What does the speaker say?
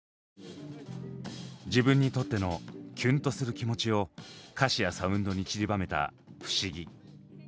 自分にとってのキュンとする気持ちを歌詞やサウンドにちりばめた「不思議」。